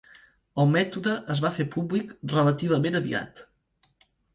El mètode es va fer públic relativament aviat.